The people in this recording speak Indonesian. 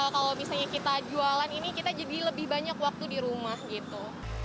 kalau misalnya kita jualan ini kita jadi lebih banyak waktu di rumah gitu